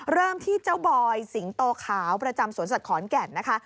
เริ่มที่เจ้าบอยสิงโตขาวประจำสวนสัตว์ขอนแก่นนะคะ